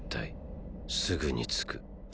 すぐに着く。！